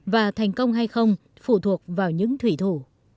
và thành công hay không phụ thuộc vào những thủy thủ